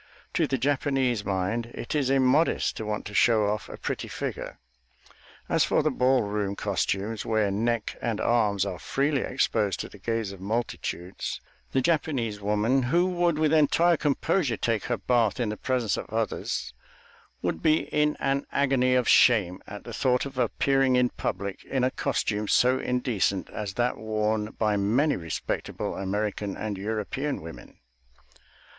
To the Japanese mind it is immodest to want to show off a pretty figure. As for the ball room costumes, where neck and arms are freely exposed to the gaze of multitudes, the Japanese woman, who would with entire composure take her bath in the presence of others, would be in an agony of shame at the thought of appearing in public in a costume so indecent as that worn by many respectable American and European women.